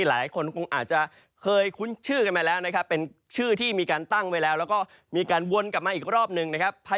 อาจเป็นชื่อที่มีการตั้งแล้วและมีการวนกลับมาอีกรอบนึง